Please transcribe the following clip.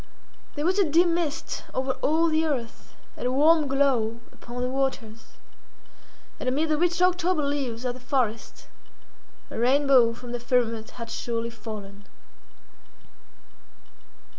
There was a dim mist over all the earth, and a warm glow upon the waters, and amid the rich October leaves of the forest, a rainbow from the firmament had surely fallen.